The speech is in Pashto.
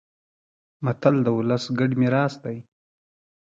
متل د ولس ګډ میراث دی